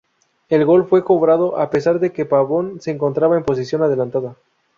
El gol fue cobrado a pesar de que Pavón se encontraba en posición adelantada.